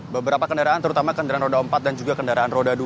beberapa kendaraan terutama kendaraan roda empat dan juga kendaraan roda dua